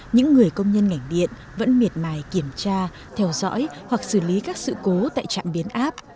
những người công nhân ngành điện vẫn miệt mài kiểm tra theo dõi hoặc xử lý các sự cố tại trạm biến áp